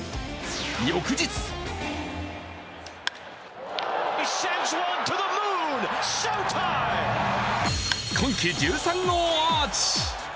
翌日今季１３号アーチ。